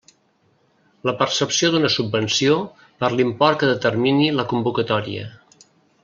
La percepció d'una subvenció per l'import que determini la convocatòria.